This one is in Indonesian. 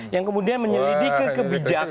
yang kemudian menyelidiki kebijakan